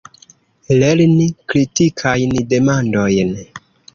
Lerni kritikajn demandojn.